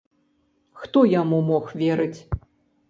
Хто яму мог верыць?